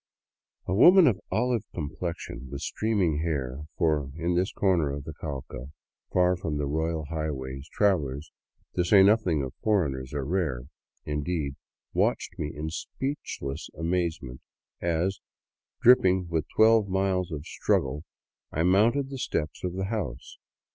A woman of olive complexion, with streaming hair — for in this corner of the Cauca, far from the " royal highway," travelers, to say nothing of foreigners, are rare, indeed — watched me in speechless amazement as, dripping with twelve miles of struggle, I mounted the steps of the house.